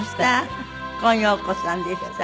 今陽子さんでした。